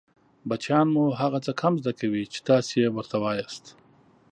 بچیان مو هغه څه کم زده کوي چې تاسې يې ورته وایاست